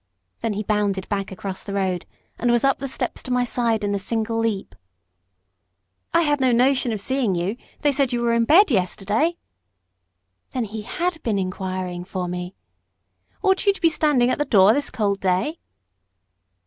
Then he bounded back across the road, and was up the steps to my side in a single leap. "I had no notion of seeing you. They said you were in bed yesterday." (Then he HAD been inquiring for me!) "Ought you to be standing at the door this cold day?"